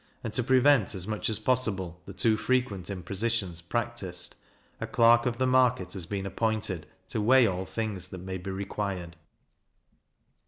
and to prevent, as much as possible, the too frequent impositions practised, a clerk of the market has been appointed, to weigh all things that may be required.